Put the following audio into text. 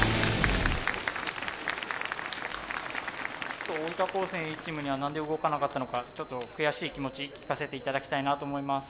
ちょっと大分高専Ａチームには何で動かなかったのかちょっと悔しい気持ち聞かせて頂きたいなと思います。